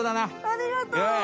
ありがとう！